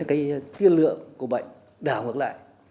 cái thiên lượng của bệnh đã hoạt lại